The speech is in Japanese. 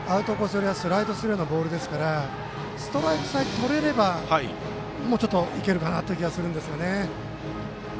寄りはスライドするようなボールですからストライクさえとれればもうちょっといけるかなという気はするんですけどね。